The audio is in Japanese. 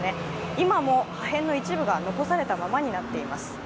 今も破片の一部があるままとなっています。